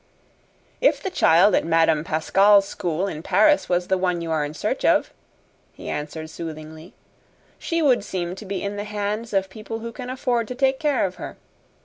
"If the child at Madame Pascal's school in Paris was the one you are in search of," he answered soothingly, "she would seem to be in the hands of people who can afford to take care of her.